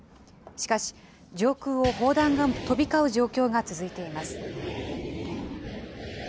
しかし、上空を砲弾が飛び交う状況が続いています。